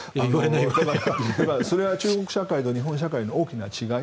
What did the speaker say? それは中国社会と日本社会の大きな違い。